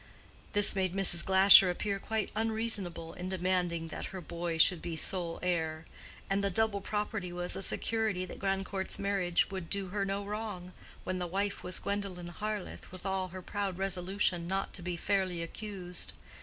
This made Mrs. Glasher appear quite unreasonable in demanding that her boy should be sole heir; and the double property was a security that Grandcourt's marriage would do her no wrong, when the wife was Gwendolen Harleth with all her proud resolution not to be fairly accused.